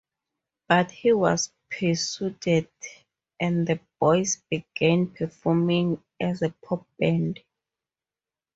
But he was persuaded and the boys began performing as a pop band.